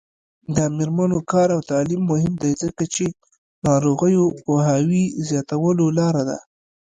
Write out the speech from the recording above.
د میرمنو کار او تعلیم مهم دی ځکه چې ناروغیو پوهاوي زیاتولو لاره ده.